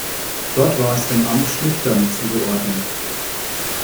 Dort war es dem Amt Schlüchtern zugeordnet.